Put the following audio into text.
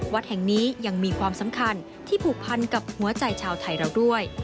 วัดแห่งนี้ยังมีความสำคัญที่ผูกพันกับหัวใจชาวไทยเราด้วย